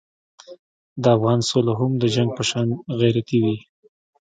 د افغان سوله هم د جنګ په شان غیرتي وي.